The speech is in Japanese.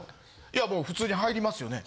いやもう普通に入りますよね。